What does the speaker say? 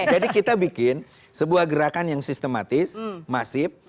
jadi kita bikin sebuah gerakan yang sistematis masif